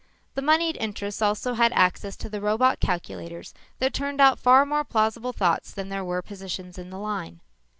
The monied interests also had access to the robot calculators that turned out far more plausible thoughts than there were positions in the line.